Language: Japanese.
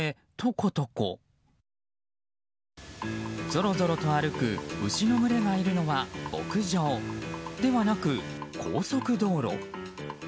ぞろぞろと歩く牛の群れがいるのは牧場ではなく、高速道路。